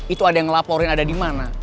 itu ada yang ngelaporin ada dimana